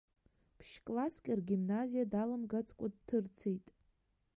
Ԥшь-класск ргимназиа далымгацкәа дҭырцеит.